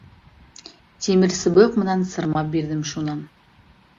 Тимер сыбыҡ менән сырмап бирҙем шунан...